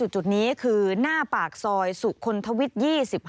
จุดนี้คือหน้าปากซอยสุคลทวิทย์๒๕